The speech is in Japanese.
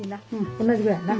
同じぐらいやな。